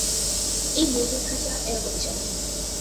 এই মুরগির খাঁচা এরকমই চলে।